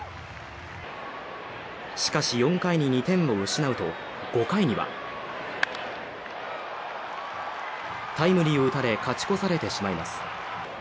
しかい４回に２点を失うと５回にはタイムリーを打たれ勝ち越されてしまいます。